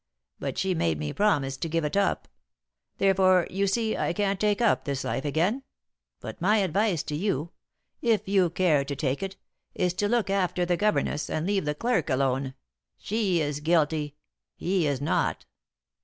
But she made me promise to give it up. Therefore you see I can't take up the life again. But my advice to you if you care to take it is to look after the governess, and leave the clerk alone. She is guilty; he is not."